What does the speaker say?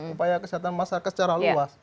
upaya kesehatan masyarakat secara luas